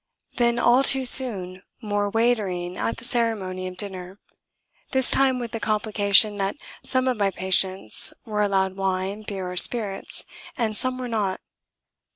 Then, all too soon, more waitering at the ceremony of Dinner: this time with the complication that some of my patients were allowed wine, beer, or spirits, and some were not.